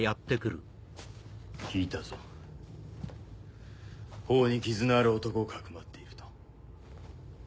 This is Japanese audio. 聞いたぞ頬に傷のある男をかくまっていると。